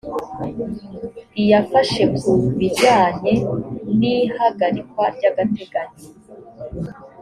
iyafashe ku bijyanye n ihagarikwa ry agateganyo